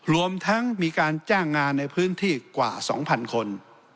รวมทั้งมีการจ้างงานในพื้นที่กว่า๒๐๐คน